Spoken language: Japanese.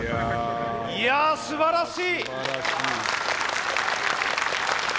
いやすばらしい！